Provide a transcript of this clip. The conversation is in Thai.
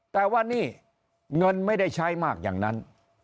แต่ว่านี่เงินไม่ได้ใช้มากอย่างนั้น